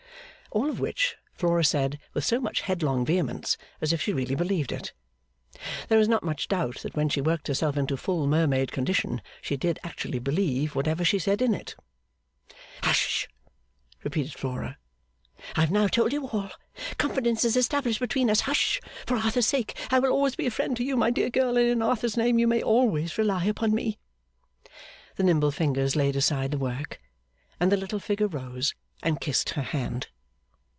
All of which Flora said with so much headlong vehemence as if she really believed it. There is not much doubt that when she worked herself into full mermaid condition, she did actually believe whatever she said in it. 'Hush!' repeated Flora, 'I have now told you all, confidence is established between us hush, for Arthur's sake I will always be a friend to you my dear girl and in Arthur's name you may always rely upon me.' The nimble fingers laid aside the work, and the little figure rose and kissed her hand.